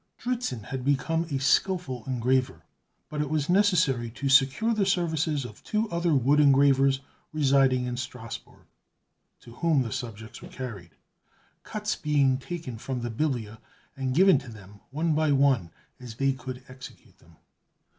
] Dritzhn had become a skillful engraver, but it was necessary to secure the services of two other wood engravers, residing in Strasbourg, to whom the subjects were carried, cuts being taken from the "Biblia" and given to them, one by one, as they could execute them.